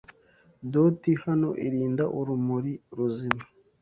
Doti hano irinda urumuri ruzima